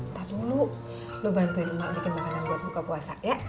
entah dulu lo bantuin emak bikin makanan buat buka puasa ya